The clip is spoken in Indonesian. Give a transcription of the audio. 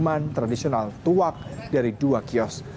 ini adalah minuman tradisional tuak dari dua kios